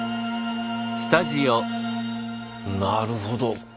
なるほど。